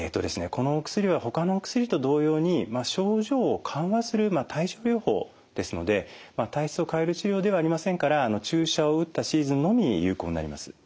このお薬はほかのお薬と同様に症状を緩和する対症療法ですので体質を変える治療ではありませんから注射を打ったシーズンのみ有効になります。